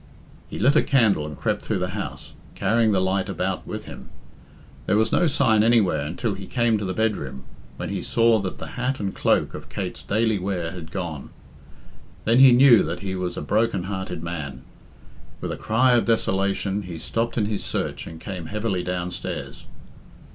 He lit a candle and crept through the house, carrying the light about with him. There was no sign anywhere until he came to the bedroom, when he saw that the hat and cloak of Kate's daily wear had gone. Then he knew that he was a broken hearted man. With a cry of desolation he stopped in his search and came heavily downstairs.